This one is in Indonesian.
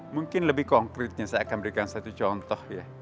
mungkin lebih konkretnya saya akan berikan satu contoh ya